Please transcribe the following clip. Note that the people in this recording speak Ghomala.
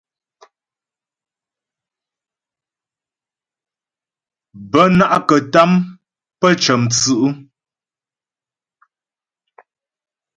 Bə́ ná'kətâm pə́ cə̌mstʉ̌'.